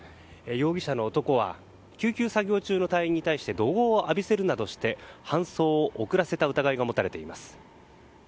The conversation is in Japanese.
容疑者の男は救急作業中の隊員に対して怒号を浴びせるなどして搬送を遅らせた疑いが持たれています。